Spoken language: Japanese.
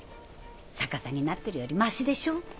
逆さになってるよりマシでしょ。